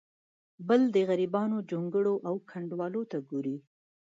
بل د غریبانو جونګړو او کنډوالو ته ګوري.